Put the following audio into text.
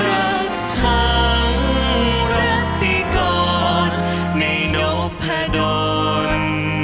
รักทางรกติกรในโนพดน